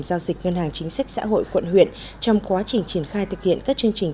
giao dịch ngân hàng chính sách xã hội quận huyện trong quá trình triển khai thực hiện các chương trình